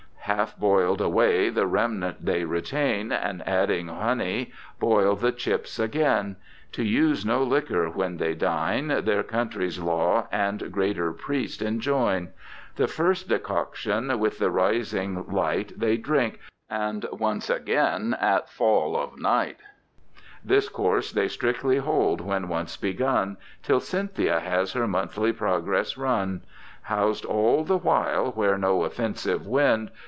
Half boil'd away the remnant they retain. And adding hony boil the chips again : To use no liquor when they dine. Their countries law and greater priest enjoyn : The first decoction with the rising light They drink, and once again at fall of night ; This course they strictly hold when once begun, Till Cj^nthia has her monthly progress run, Hous'd all the while where no offensive wind.